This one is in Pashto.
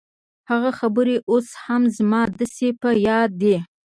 هغه خبرې اوس هم زما داسې په ياد دي.